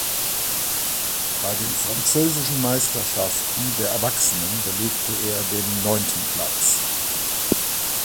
Bei den französischen Meisterschaften der Erwachsenen belegte er den neunten Platz.